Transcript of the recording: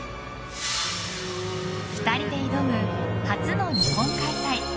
２人で挑む初の日本開催